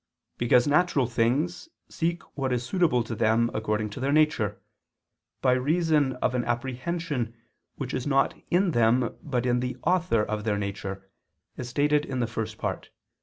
_ Because natural things seek what is suitable to them according to their nature, by reason of an apprehension which is not in them, but in the Author of their nature, as stated in the First Part (Q.